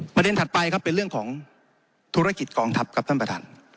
ถัดไปครับเป็นเรื่องของธุรกิจกองทัพครับท่านประธาน